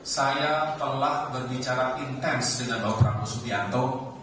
saya telah berbicara intens dengan bapak prabowo subianto